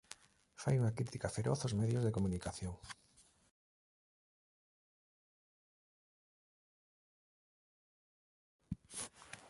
Fai unha crítica feroz aos medios de comunicación.